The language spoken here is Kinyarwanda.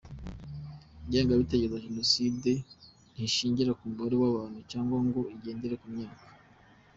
Ingengabitekerezo ya Jenoside ntishingira ku mubare w’abantu cyangwa se ngo igendere ku myaka.